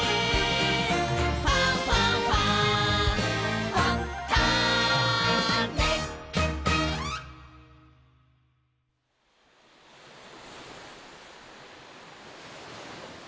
「ファンファンファン」ザザ。